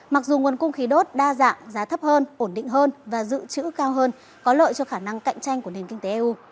mặc dù nguồn cung khí đốt đa dạng giá thấp hơn ổn định hơn và dự trữ cao hơn có lợi cho khả năng cạnh tranh của nền kinh tế eu